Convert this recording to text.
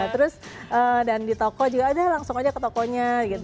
terus dan di toko juga ada langsung aja ke tokonya gitu